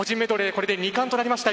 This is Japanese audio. これで２冠となりました。